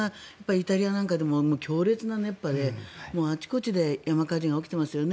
イタリアなんかでも強烈な熱波であちこちで山火事が起きていますよね。